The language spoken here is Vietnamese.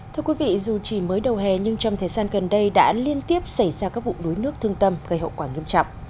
thưa quý vị dù chỉ mới đầu hè nhưng trong thời gian gần đây đã liên tiếp xảy ra các vụ đuối nước thương tâm gây hậu quả nghiêm trọng